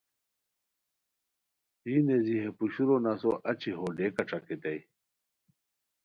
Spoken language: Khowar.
یی نیزی ہے پوشورو نسو اچی ہتو ڈیکہ ݯاکئیتائے